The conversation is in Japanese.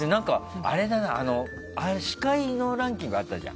司会のランキングあったじゃん。